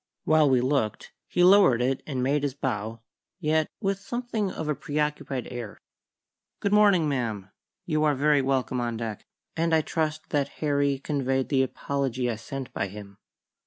While we looked, he lowered it and made his bow, yet with something of a preoccupied air. "Good morning, ma'am. You are very welcome on deck, and I trust that Harry conveyed the apology I sent by him."